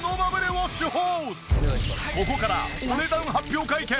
ここからお値段発表会見。